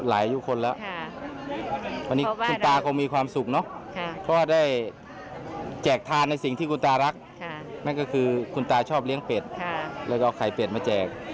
แล้วก็เอาไข่เป็ดมาแจก